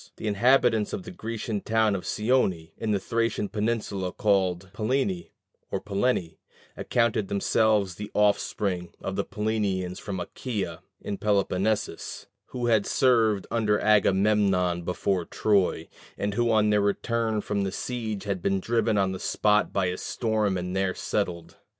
The inhabitants of the Grecian town of Scione, in the Thracian peninsula called Pallene or Pellene, accounted themselves the offspring of the Pellenians from Achæa in Peloponnesus, who had served under Agamemnon before Troy, and who on their return from the siege had been driven on the spot by a storm and there settled.